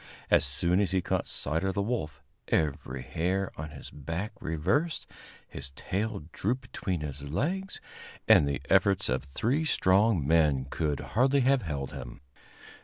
As soon as he caught sight of the wolf, every hair on his back reversed, his tail drooped between his legs, and the efforts of three strong men could hardly have held him.